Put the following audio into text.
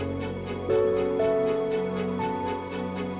nih satu lagi angkat di atas